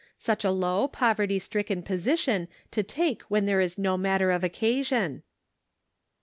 Such a low, poverty stricken position to take when there is no manner of occasion."